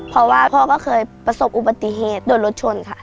เพราะว่าพ่อก็เคยประสบอุบัติเหตุโดนรถชนค่ะ